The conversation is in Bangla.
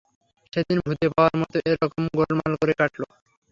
সেদিন ভূতে পাওয়ার মতো এইরকম গোলমাল করে কাটল।